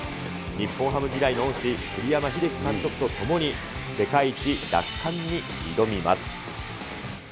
日本ハム時代の恩師、栗山英樹監督と共に世界一奪還に挑みます。